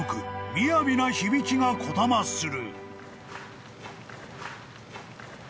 みやびな響きがこだまする］